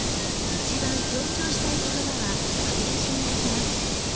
一番強調したい言葉は吹き出しに書きます。